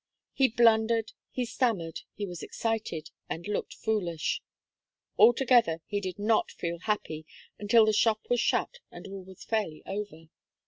He blundered, he stammered, he was excited, and looked foolish. Altogether, he did not feel happy, until the shop was shut, and all was fairly over.